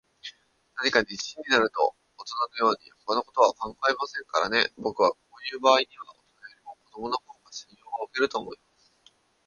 何かに一心になると、おとなのように、ほかのことは考えませんからね。ぼくはこういうばあいには、おとなよりも子どものほうが信用がおけると思います。